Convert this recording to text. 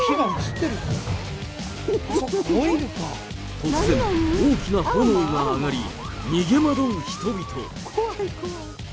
突然、大きな炎が上がり、逃げ惑う人々。